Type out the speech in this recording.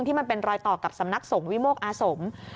ที่มันเป็นรอยต่อกับสำนักสงฆ์วิโมกอาสม